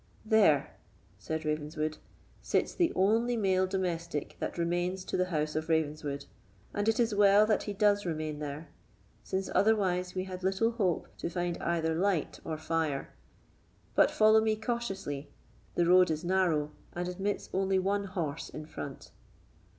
"There," said Ravenswood, "sits the only male domestic that remains to the house of Ravenswood; and it is well that he does remain there, since otherwise we had little hope to find either light or fire. But follow me cautiously; the road is narrow, and admits only one horse in front."